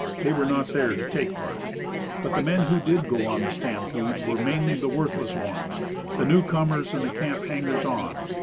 They were not there to take part. But the men who did go on the stampede were mainly the worthless ones, the new comers, and the camp hangers on.